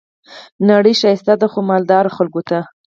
نړۍ ښکلي ده خو، مالدارو خلګو ته.